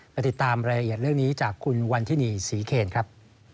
ไปติดตามรายละเอียดเรื่องนี้จากคุณวันทินีศรีเคนครับ